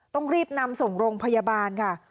ต้องรีบนำส่งโรงพยาบาลค่ะ